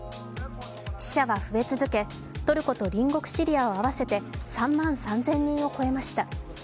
死者は増え続け、トルコと隣国・シリアを合わせて３万３０００人を超えました。